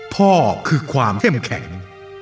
พ่อคือความเข้มแข็ง